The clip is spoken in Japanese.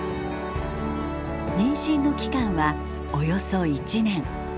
妊娠の期間はおよそ１年。